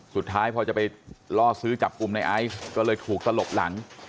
สุดท้ายพอจะไปล่อซื้อจับกลุ่มในไอซ์ก็เลยถูกตลบหลัง